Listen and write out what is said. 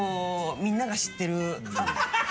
みんなが知ってる。